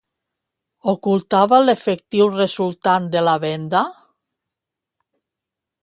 Ocultava l'efectiu resultant de la venda?